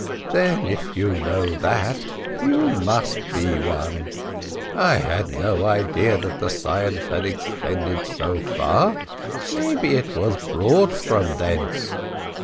"Then if you know that, you must be one. I had no idea that the science had extended so far maybe it was brought from thence.